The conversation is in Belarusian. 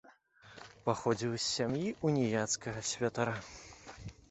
Паходзіў з сям'і ўніяцкага святара.